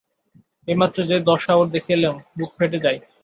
এইমাত্র যে দশা ওর দেখে এলুম বুক ফেটে যায়।